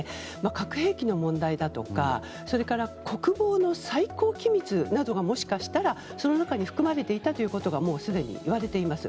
核兵器の問題だとか国防の最高機密などがもしかしたらその中に含まれていたことがもうすでに言われています。